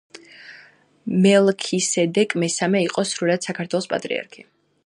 მელქისედეკ მესამე იყო სრულიად საქართველოს პატრიარქი